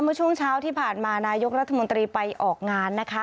เมื่อช่วงเช้าที่ผ่านมานายกรัฐมนตรีไปออกงานนะคะ